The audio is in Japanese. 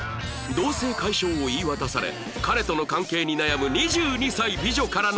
同棲解消を言い渡され彼との関係に悩む２２歳美女からの相談